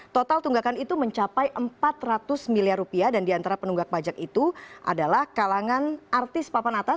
total tunggakan itu mencapai empat ratus miliar rupiah dan diantara penunggak pajak itu adalah kalangan artis papan atas